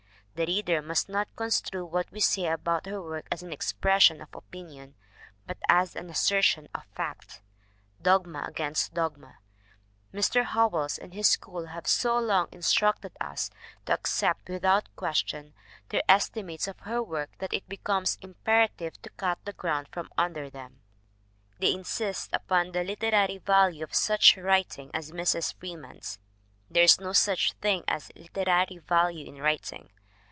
The reader must not construe what we say about her work as an expression of opinion, but as an assertion of fact. Dogma against dogma! Mr. Howells and his school have so long instructed us to accept without 198 MARY E. WILKINS FREEMAN 199 question their estimates of her work that it becomes imperative to cut the ground from under them. They insist upon the literary value of such writing as Mrs. Freeman's. There is no such thing as literary value in writing.